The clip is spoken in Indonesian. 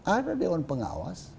ada dewan pengawas